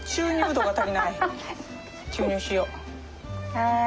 はい。